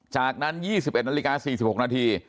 จากนั้น๒๑นาฬิกา๔๖นาที